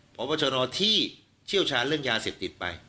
พบชนที่เชี่ยวชาญเรื่องยาเสพติดไป